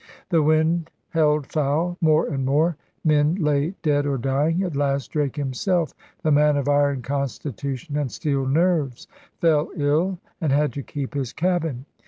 The wind held foul. More and more men lay dead or dying. At last Drake himself, the man of iron constitution and steel nerves, fell ill and had to keep his cabin.